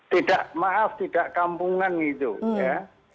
tidak maaf tidak kampungan gitu ya